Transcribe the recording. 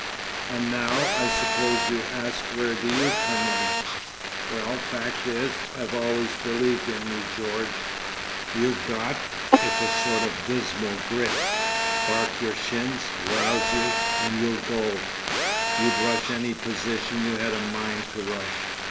"And now, I suppose, you ask where do YOU come in? Well, fact is I've always believed in you, George. You've got—it's a sort of dismal grit. Bark your shins, rouse you, and you'll go! You'd rush any position you had a mind to rush.